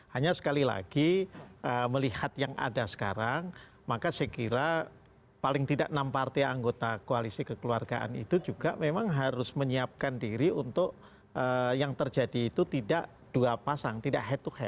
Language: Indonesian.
hanya sekali lagi melihat yang ada sekarang maka saya kira paling tidak enam partai anggota koalisi kekeluargaan itu juga memang harus menyiapkan diri untuk yang terjadi itu tidak dua pasang tidak head to head